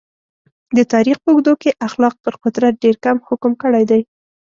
د تاریخ په اوږدو کې اخلاق پر قدرت ډېر کم حکم کړی دی.